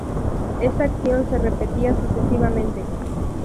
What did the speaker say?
Esta acción se repetía sucesivamente.